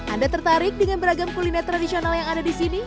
anda tertarik dengan beragam kuliner tradisional yang ada disini